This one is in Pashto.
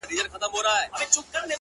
• د نښتر وني جنډۍ سوې د قبرونو,